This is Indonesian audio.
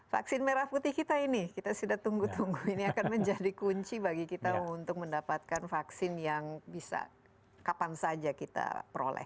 vaksin merah putih kita ini kita sudah tunggu tunggu ini akan menjadi kunci bagi kita untuk mendapatkan vaksin yang bisa kapan saja kita peroleh